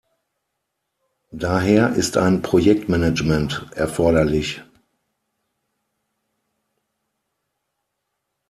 Daher ist ein Projektmanagement erforderlich.